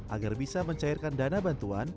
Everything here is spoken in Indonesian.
agar bisa mencairkan dana bantuan